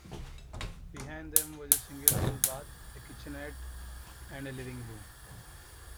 Behind them was a single full bath, a kitchenette, and a living room.